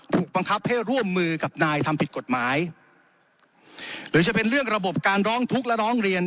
ถูกบังคับให้ร่วมมือกับนายทำผิดกฎหมายหรือจะเป็นเรื่องระบบการร้องทุกข์และร้องเรียน